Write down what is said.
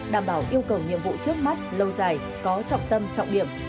đảm bảo yêu cầu nhiệm vụ trước mắt lâu dài có trọng tâm trọng điểm